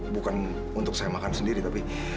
bukan untuk saya makan sendiri tapi